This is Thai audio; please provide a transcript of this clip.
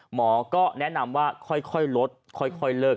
หมอก็แนะนำว่าค่อยลดค่อยเลิก